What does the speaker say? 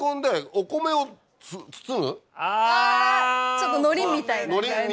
ちょっとのりみたいな感じで？